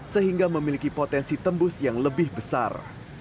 sehingga memiliki potensi tembus yang lebih besar